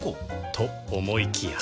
と思いきや